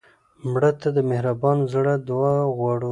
مړه ته د مهربان زړه دعا غواړو